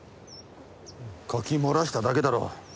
書き漏らしただけだろう。